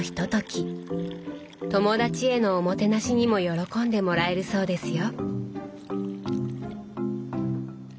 友達へのおもてなしにも喜んでもらえるそうですよ。